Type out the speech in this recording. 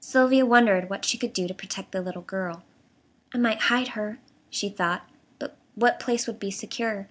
Sylvia wondered what she could do to protect the little girl. "I might hide her," she thought; but what place would be secure?